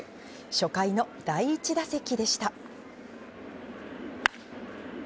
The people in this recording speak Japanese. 初回の第１打席でした。